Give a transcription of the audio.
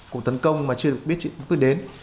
cuộc tấn công mà chưa biết đến